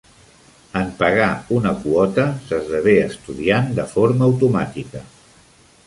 En pagar una quota, s'esdevé estudiant de forma automàtica.